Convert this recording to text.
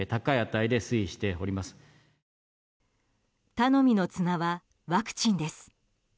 頼みの綱はワクチンです。